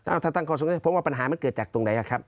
อ้าวถ้าตั้งข้อสังเกตเพราะว่าปัญหามันเกิดจากตรงไหนล่ะครับ